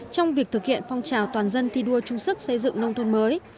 trong việc thực hiện phong trào toàn dân thi đua chung sức xây dựng nông thôn mới